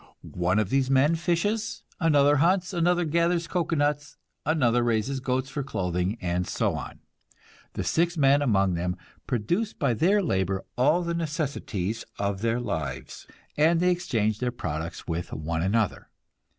One of these men fishes, another hunts, another gathers cocoanuts, another raises goats for clothing, and so on. The six men among them produce by their labor all the necessities of their lives, and they exchange their products with one another.